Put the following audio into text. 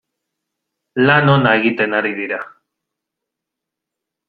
Lan ona egiten ari dira.